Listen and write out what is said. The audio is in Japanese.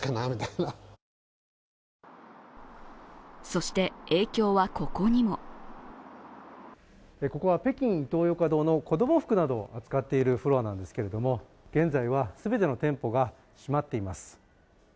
そして、影響はここにもここは北京イトーヨーカドーの子供服などを扱っているフロアなんですけども、現在は全ての店舗が閉まっています。